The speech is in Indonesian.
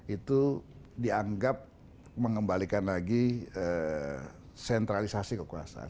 itu dianggap mengembalikan lagi sentralisasi kekuasaan